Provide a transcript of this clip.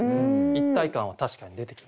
一体感は確かに出てきますね。